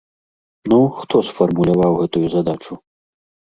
Ну, хто сфармуляваў гэтую задачу?!